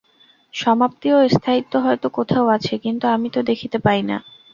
সমাপ্তি ও স্থায়িত্ব হয়তো কোথাও আছে, কিন্তু আমি তো দেখিতে পাই না।